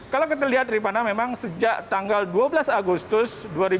kalau kita lihat ripana memang sejak tanggal dua belas agustus dua ribu dua puluh